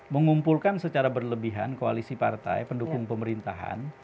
mengumpulkan secara berlebihan koalisi partai pendukung pemerintahan